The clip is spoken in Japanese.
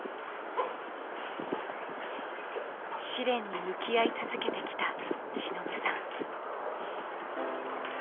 試練に向き合い続けてきたしのぶさん。